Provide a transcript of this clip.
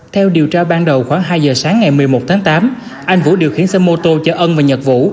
theo điều tra ban đầu khoảng hai giờ sáng ngày một mươi một tháng tám anh vũ điều khiển xe mô tô chở ân và nhật vũ